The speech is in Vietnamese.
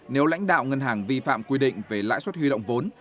nếu lãnh đạo ngân hàng vi phạm quy định về lãi suất huy động vốn